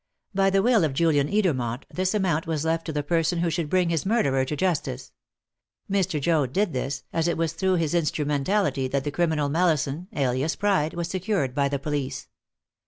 By the will of Julian Edermont, this amount was left to the person who should bring his murderer to justice. Mr. Joad did this, as it was through his instrumentality that the criminal Mallison, alias Pride, was secured by the police.